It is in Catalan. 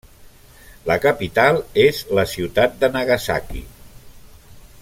La capital és la ciutat de Nagasaki.